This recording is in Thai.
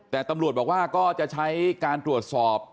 แต่ตำรวจบอกว่าก็จะใช้การตรวจสอบ